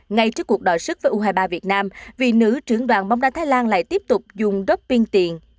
ngay trước cuộc đòi sức với u hai mươi ba việt nam vị nữ trưởng đoàn bóng đá thái lan lại tiếp tục dùng doping tiền